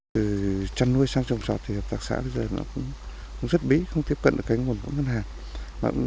từ chăn nuôi sang trồng trọt thì hợp tác xã bây giờ nó cũng rất bí không tiếp cận được cái nguồn vốn ngân hàng